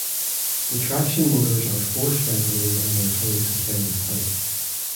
The traction motors are force ventilated and are fully suspended type.